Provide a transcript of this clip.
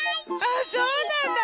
あそうなの。